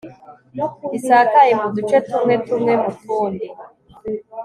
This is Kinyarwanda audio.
risakaye mu duce tumwe tumwe mu tundi